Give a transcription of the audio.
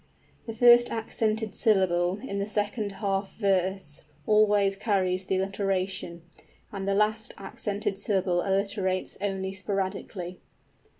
_, the first accented syllable in the second half verse always carries the alliteration; and the last accented syllable alliterates only sporadically.